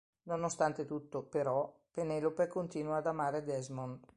Nonostante tutto, però, Penelope continua ad amare Desmond.